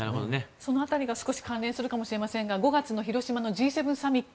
その辺りが少し関連するかもしれませんが５月の広島のＧ７サミット